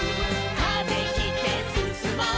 「風切ってすすもう」